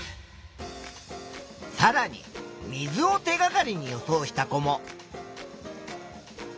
さらに水を手がかりに予想した子も。